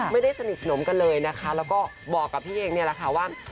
ไม่ได้สนิทสนมกันเลยนะคะแล้วก็บอกกับพี่เองว่า